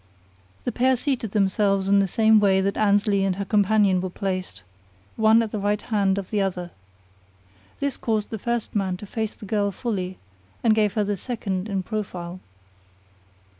The pair seated themselves in the same way that Annesley and her companion were placed, one at the right hand of the other. This caused the first man to face the girl fully and gave her the second in profile.